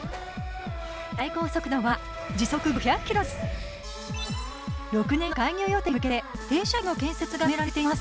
最高速度は時速５００キロです。